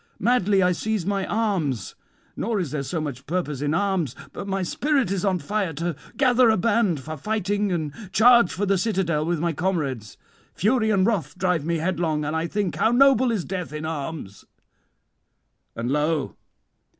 Madly I seize my arms, nor is there so much purpose in arms; but my spirit is on fire to gather a band for fighting and charge for the citadel with my comrades. Fury and wrath drive me headlong, and I think how noble is death in arms. 'And lo!